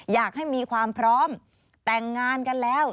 อยากให้มีความพร้อมแต่งงานกันแล้ว